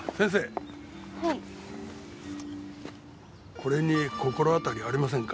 これに心当たりありませんか？